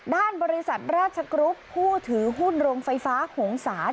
ด้านบริษัทราชกรุ๊ปผู้ถือหุ้นโรงไฟฟ้าหงษา